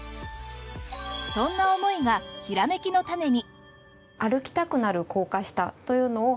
そんな思いがヒラメキのタネに！